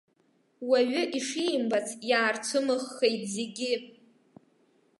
Уаҩы ишимбац иаарцәымыӷхеит зегьы.